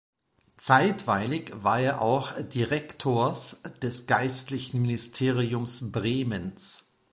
Zeitweilig war er auch Direktors des Geistlichen Ministeriums Bremens.